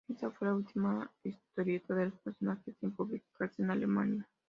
Esta fue la última historieta de los personajes en publicarse en Alemania.